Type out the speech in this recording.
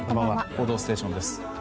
「報道ステーション」です。